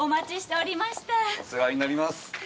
お世話になります。